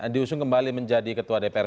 diusung kembali menjadi ketua dpr